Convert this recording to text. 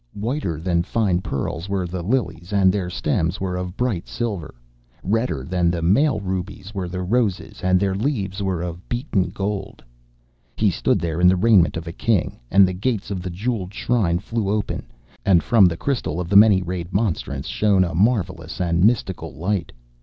Whiter than fine pearls were the lilies, and their stems were of bright silver. Redder than male rubies were the roses, and their leaves were of beaten gold. He stood there in the raiment of a king, and the gates of the jewelled shrine flew open, and from the crystal of the many rayed monstrance shone a marvellous and mystical light.